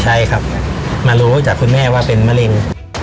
ใช่ครับมารู้จากคุณแม่ว่าเป็นมะเร็ง